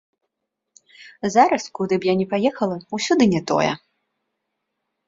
Зараз, куды б я ні паехала, усюды не тое.